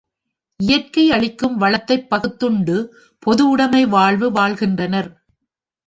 இயற்கை அளிக்கும் வளத்தைப் பகுத்துண்டு பொது உடமை வாழ்வு வாழ்கின்றனர்.